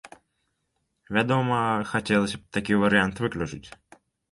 Вядома, хацелася б такі варыянт выключыць.